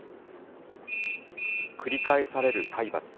繰り返される体罰。